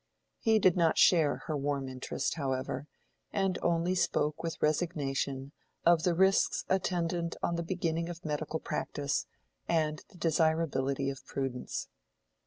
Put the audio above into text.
He did not share her warm interest, however; and only spoke with resignation of the risks attendant on the beginning of medical practice and the desirability of prudence.